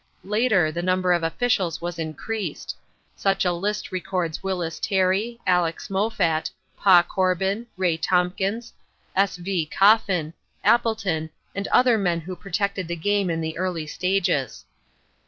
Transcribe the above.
Later the number of officials was increased. Such a list records Wyllys Terry, Alex Moffat, Pa Corbin, Ray Tompkins, S. V. Coffin, Appleton and other men who protected the game in the early stages.